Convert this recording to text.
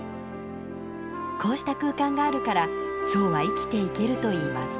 こうした空間があるからチョウは生きていけるといいます。